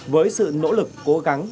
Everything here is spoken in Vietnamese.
với sự nỗ lực cố gắng